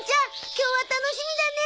今日は楽しみだね！